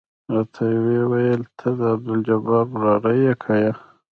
راته ويې ويل ته د عبدالجبار وراره يې که يه.